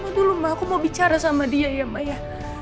sama nino dulu ma aku mau bicara sama dia ya maya